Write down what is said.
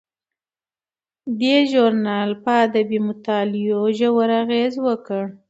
دې ژورنال په ادبي مطالعاتو ژور اغیز وکړ.